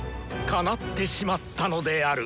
かなってしまったのである！